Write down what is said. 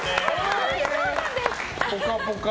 「ぽかぽか」